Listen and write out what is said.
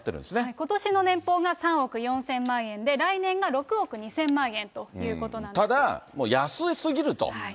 ことしの年俸が３億４００万円で、来年が６億２０００万円とただ、安すぎると。